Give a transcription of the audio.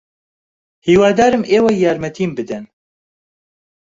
ھیوادارم ئێوە یارمەتیم بدەن.